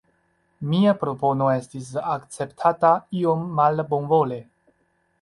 Mia propono estis akceptata iom malbonvole.